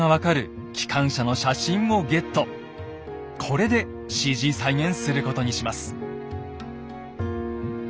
これでＣＧ再現することにします。